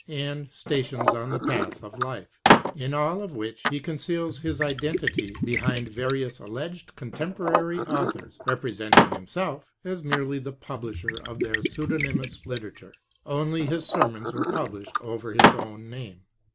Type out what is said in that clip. and " Stations on the Path of Life," in all of which he conceals his identity behind various alleged contemporary au thors, representing himself as merely the pub lisher of their pseudonymous literature. Only his sermons were published over his own name.